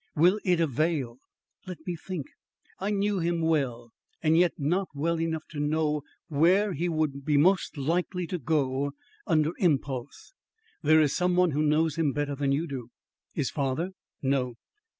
"Will it avail? Let me think. I knew him well, and yet not well enough to know where he would be most likely to go under impulse." "There is some one who knows him better than you do." "His father?" "No."